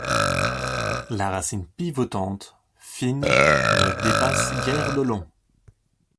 La racine pivotante, fine, ne dépasse guère de long.